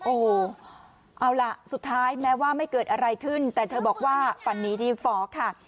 โอ้โหเอาล่ะสุดท้ายแม้ว่าไม่เกิดอะไรขึ้นแต่เธอบอกว่าฝันนี้ดีฟ้อค่ะ